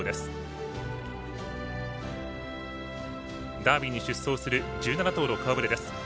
ダービーに出走する１７頭の顔振れです。